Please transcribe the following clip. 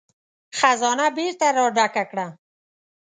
خزانه بېرته را ډکه کړه.